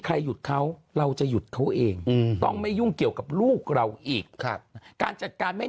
หยุดเขาเราจะหยุดเขาเองต้องไม่ยุ่งเกี่ยวกับลูกเราอีกการจัดการไม่